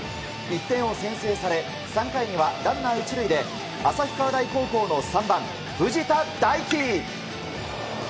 １点を先制され３回にはランナー１塁で旭川大高校の３番、藤田大輝。